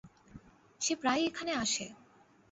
সে প্রায় এখানে আসে।